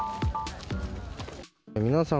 皆さん